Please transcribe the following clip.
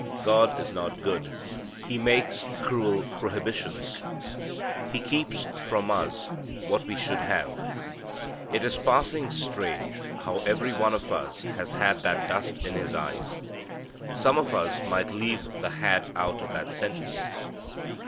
God is not good. He makes cruel prohibitions. He keeps from us what we should have. It is passing strange how every one of us has had that dust in his eyes. Some of us might leave the "had" out of that sentence.